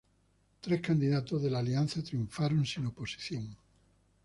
Tres candidatos de la Alianza triunfaron sin oposición.